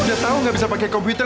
aku udah tau gak bisa pake komputer